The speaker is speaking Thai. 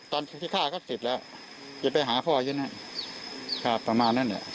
ตอนที่ฆ่าเขาสิทธิ์แล้วจะไปหาพ่อย่างนั้นฆ่าประมาณนั้นเนี่ย